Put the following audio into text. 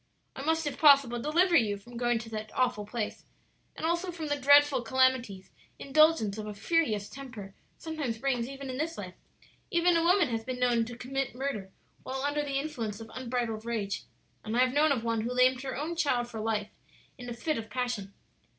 "I must if possible deliver you from going to that awful place, and also from the dreadful calamities indulgence of a furious temper sometimes brings even in this life; even a woman has been known to commit murder while under the influence of unbridled rage; and I have known of one who lamed her own child for life in a fit of passion.